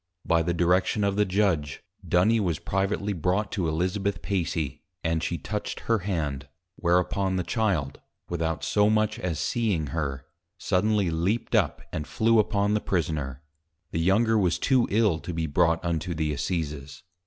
By the direction of the Judg, Duny was privately brought to Elizabeth Pacy, and she touched her Hand: whereupon the Child, without so much as seeing her, suddenly leap'd up and flew upon the Prisoner; the younger was too ill, to be brought unto the Assizes.